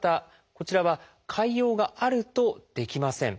こちらは潰瘍があるとできません。